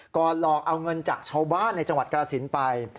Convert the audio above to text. หลอกเอาเงินจากชาวบ้านในจังหวัดกรสินไป